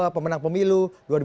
pemenang pemilu dua ribu empat belas